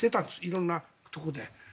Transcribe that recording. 色んなところで。